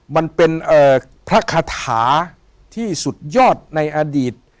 มันเป็นพระคาถาที่สุดยอดในอดีต